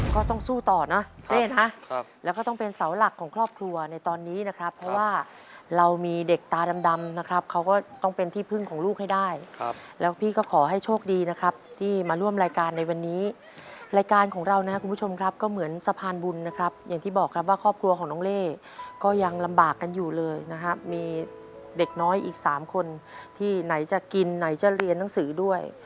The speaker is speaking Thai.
ก็ต้องสู้ต่อนะเล่นฮะครับแล้วก็ต้องเป็นเสาหลักของครอบครัวในตอนนี้นะครับเพราะว่าเรามีเด็กตาดำนะครับเขาก็ต้องเป็นที่พึ่งของลูกให้ได้ครับแล้วพี่ก็ขอให้โชคดีนะครับที่มาร่วมรายการในวันนี้รายการของเรานะคุณผู้ชมครับก็เหมือนสะพานบุญนะครับอย่างที่บอกครับว่าครอบครัวของน้องเล่ก็ยังลำบากกันอยู่เลยนะครับม